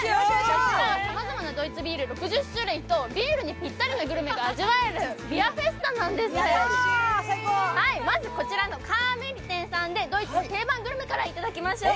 こちらはさまざまなドイツビール６０種類とさまざまなグルメが楽しめるビアフェスタなんです、まずこちらのＫａｒｍｅｌｉｔｅｎさんでドイツの定番グルメからいただきましょう。